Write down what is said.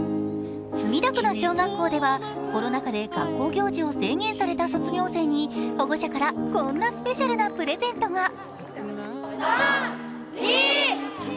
墨田区の小学校ではコロナ禍で学校行事を制限された卒業生に卒業生に保護者からこんなスペシャルなプレゼントが。